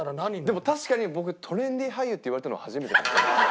でも確かに僕トレンディ俳優って言われたの初めてかもしれないです。